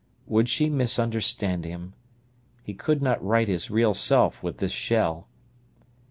Would she misunderstand him? He could not write his real self with this shell.